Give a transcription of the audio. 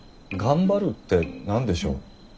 「頑張る」って何でしょう？